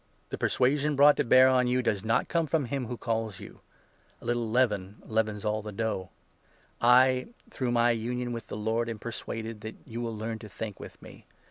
The persuasion brought to bear 8 on you does not come from him who calls you. A little leaven 9 leavens all the dough. I, through my union with the Lord, 10 am persuaded that you will learn to think with me.